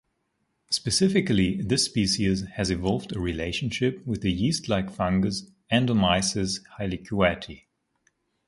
Specifically, this species has evolved a relationship with the yeast-like fungus "Endomyces hylecoeti".